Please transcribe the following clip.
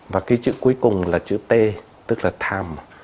và cái chữ cuối cùng là chữ t tức là tham